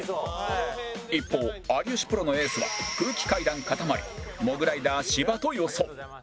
一方有吉プロのエースは空気階段かたまりモグライダー芝と予想